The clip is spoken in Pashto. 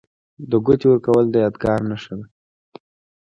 د ګوتې ورکول د یادګار نښه ده.